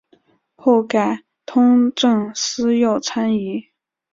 后改通政司右参议。